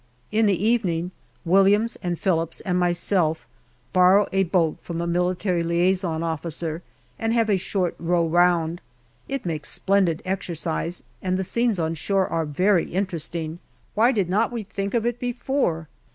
In the evening, Williams and Phillips and myself borrow a boat from an M.L.O. and have a short row round. It makes splendid exercise, and the scenes on shore are very interesting. Why did not we think of it before